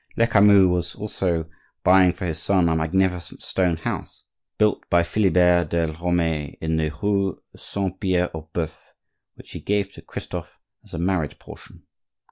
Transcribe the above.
Lecamus was also buying for his son a magnificent stone house, built by Philibert de l'Orme in the rue Saint Pierre aux Boeufs, which he gave to Christophe as a marriage portion.